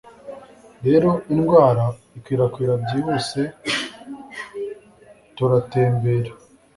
Rero indwara ikwirakwira byihuse. Turatembera